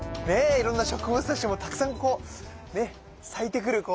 いろんな植物たちもたくさんこうね咲いてくる時期。